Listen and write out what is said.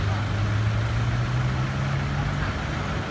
พร้อมต่ำยาว